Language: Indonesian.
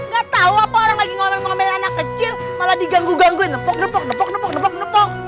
gatau apa orang lagi ngomel ngomel anak kecil malah diganggu gangguin nepo nepo nepo